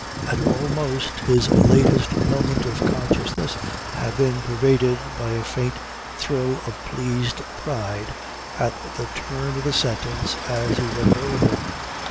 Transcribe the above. And almost his latest moment of consciousness had been pervaded by a faint thrill of pleased pride at the turn of the sentence as he read it over.